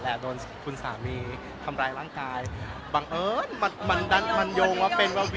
มันยกว่าเป็นว่าวิวกี้นั่นแล้วอ้อครับ